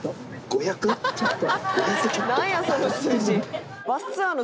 ５００ちょっと？